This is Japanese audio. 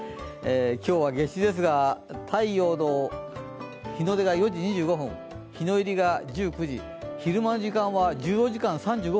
今日は夏至ですが、太陽の日の出が４時２５分日の入りが１９時、昼間の時間は１４時間３５分。